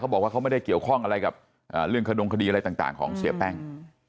บอกว่าเขาไม่ได้เกี่ยวข้องอะไรกับเรื่องขดงคดีอะไรต่างของเสียแป้ง